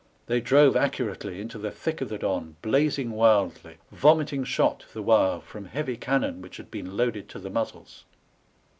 They drove accurately into the thick of the Don, blazing wildly, vomiting shot the while from heavy cannon which had been loaded to the muzzles.